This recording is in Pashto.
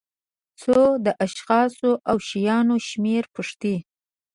څو د اشخاصو او شیانو شمېر پوښتي.